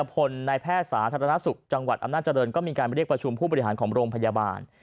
วิราพณ์ในแพทย์ศาสตร์ธรรมนาสุขจังหวัดอำนาจริงก็มีการไปเรียกประชุมผู้บริฐานของโรงพยาบาล